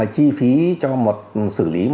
chi phí cho xử lý